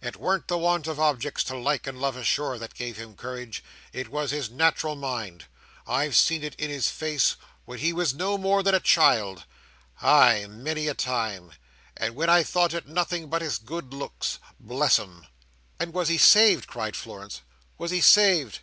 It warn't the want of objects to like and love ashore that gave him courage, it was his nat'ral mind. I've seen it in his face, when he was no more than a child—ay, many a time!—and when I thought it nothing but his good looks, bless him!" "And was he saved!" cried Florence. "Was he saved!"